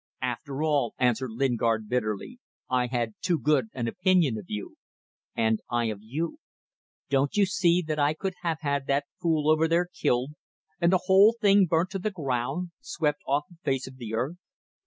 "After all," answered Lingard, bitterly, "I had too good an opinion of you." "And I of you. Don't you see that I could have had that fool over there killed and the whole thing burnt to the ground, swept off the face of the earth.